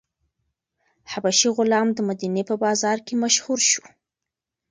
حبشي غلام د مدینې په بازار کې مشهور شو.